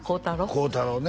幸太郎ね